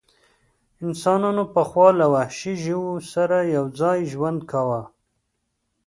انسانانو پخوا له وحشي ژوو سره یو ځای ژوند کاوه.